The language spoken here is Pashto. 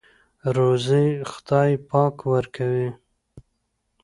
روزۍ خدای پاک ورکوي.